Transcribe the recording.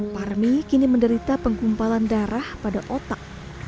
parmi kini menderita penggumpalan darah pada otak